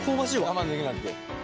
我慢できなくて。